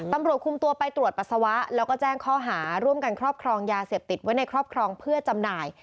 ตำรวจคุมตัวไปตรวจปัสสาวะแล้วก็แจ้งข้อหาร่วมกันครอบครองยาเสพติดไว้ในครอบครองเพื่อจำหน่าย